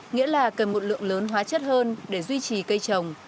nghĩa là cần một lượng lớn hóa chất hơn để duy trì cây trồng